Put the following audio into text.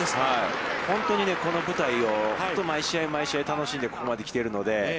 本当にね、この舞台を本当毎試合毎試合楽しんでここまで来ているので。